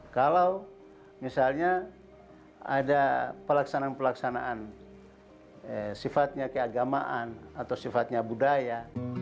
kalau misalnya ada pelaksanaan pelaksanaan sifatnya keagamaan atau sifatnya budaya